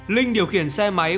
linh điều khiển xe máy